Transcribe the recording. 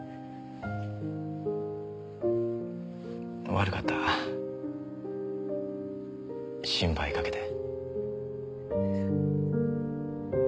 悪かった心配かけて。